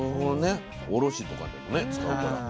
おろしとかでもね使うから。